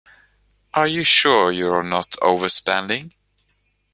Are you sure you're not overspending?